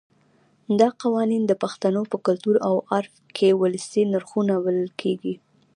دا قوانین د پښتنو په کلتور او عرف کې ولسي نرخونه بلل کېږي.